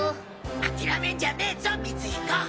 諦めんじゃねえぞ光彦。